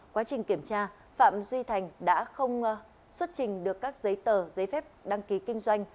quá trình kiểm tra phạm duy thành đã không xuất trình được các giấy tờ giấy phép đăng ký kinh doanh